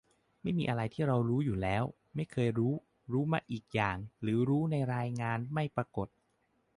มีอะไรที่เรารู้อยู่แล้ว ไม่เคยรู้ รู้มาอีกอย่าง หรือรู้แต่ในรายงานไม่ปรากฏ